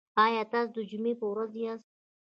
ایا تاسو د جمعې په ورځ یاست؟